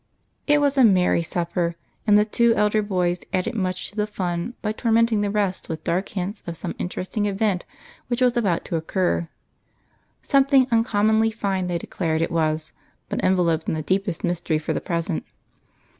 It was a merry supper, and the two elder boys added much to the fun by tormenting the rest with dark hints of some interesting event which was about to occur. Something uncommonly fine they declared it was, but enveloped in the deepest mystery for the present.